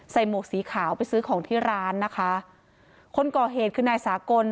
หมวกสีขาวไปซื้อของที่ร้านนะคะคนก่อเหตุคือนายสากล